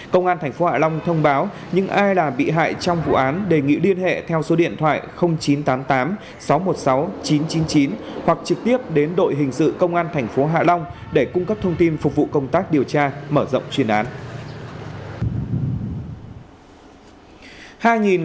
công an tp hạ long thông báo những ai là bị hại trong vụ án đề nghị liên hệ theo số điện thoại chín trăm tám mươi tám sáu trăm một mươi sáu chín trăm chín mươi chín hoặc trực tiếp đến đội hình sự công an thành phố hạ long để cung cấp thông tin phục vụ công tác điều tra mở rộng chuyên án